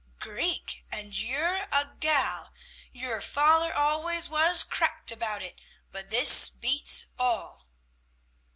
"Greek! and you're a gal! Your father allers was cracked about it, but this beats all!"